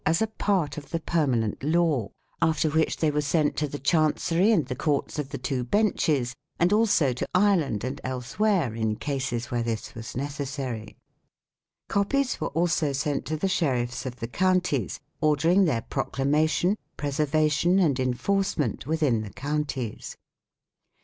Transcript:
as a part of the permanent law, after which they were sent to the Chancery and the courts of the two benches, and also to Ireland and elsewhere in cases where this was 1 66 MAGNA CART A AND COMMON LAW necessary. Copies were also sent to the sheriffs of the counties, ordering their proclamation, preserva tion, and enforcement, within the counties.